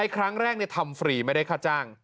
ครั้งแรกทำฟรีไม่ได้ค่าจ้าง